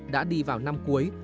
đã đi vào năm cuối